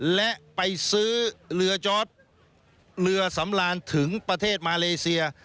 และไปซื้อเรือจอร์ดเรือสำราญถึงประเทศมาเลเซีย